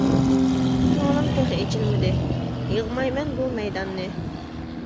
كۆڭلۈم تېخى ئېچىلمىدى، يىغمايمەن بۇ مەيداننى.